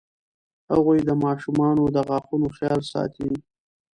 هغوی د ماشومانو د غاښونو خیال ساتي.